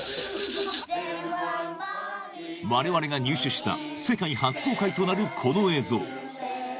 我々が入手した世界初公開となるこの映像